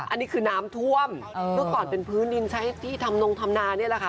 อันนี้คือน้ำท่วมเมื่อก่อนเป็นพื้นดินใช้ที่ทำนงทำนานี่แหละค่ะ